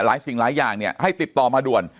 สิ่งหลายอย่างเนี่ยให้ติดต่อมาด่วน